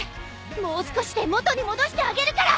もう少しで元に戻してあげるから！